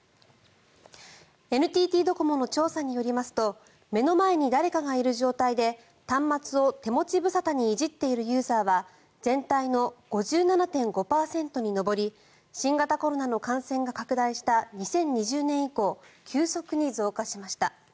ＮＴＴドコモの調査によりますと目の前に誰かがいる状態で端末を手持ち無沙汰にいじっているユーザーは全体の５７．５％に上り新型コロナの感染が拡大した２０２０年以降急速に増加しました。